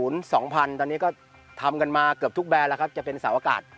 ตอนนี้ก็ทำกันมาเกือบทุกแบรนด์แล้วครับจะเป็นเสาอากาศ